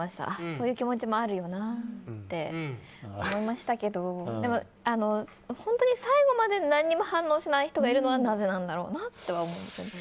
そういう気持ちもあるよなって思いましたけどでも本当に最後まで何も反応しない人がいるのはなぜなんだろうなとは思います。